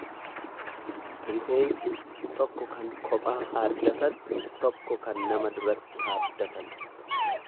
Rifeensi tokko kan kophaa haaddatan, tokko kan nama duratti haaddatan.